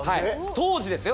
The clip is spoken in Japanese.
当時ですよ。